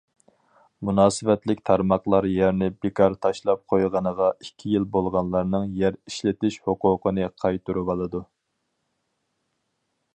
مۇناسىۋەتلىك تارماقلار يەرنى بىكار تاشلاپ قويغىنىغا ئىككى يىل بولغانلارنىڭ يەر ئىشلىتىش ھوقۇقىنى قايتۇرۇۋالىدۇ.